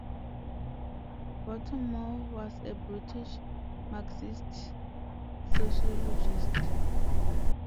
Bottomore, was a British Marxist sociologist.